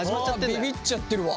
あびびっちゃってるわ。